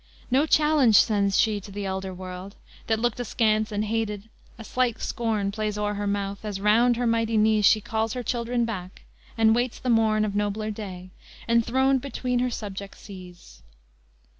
No challenge sends she to the elder world, That looked askance and hated; a light scorn Plays o'er her mouth, as round her mighty knees She calls her children back, and waits the morn Of nobler day, enthroned between her subject seas."